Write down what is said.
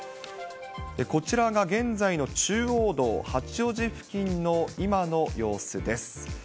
こちらが現在の中央道八王子付近の今の様子です。